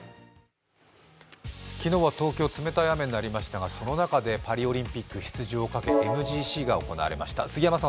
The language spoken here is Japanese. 昨日は東京、冷たい雨になりましたが、その中でパリオリンピック出場をかけＭＧＣが行われました。